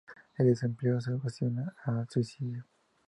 El desempleo se asocia a suicidio.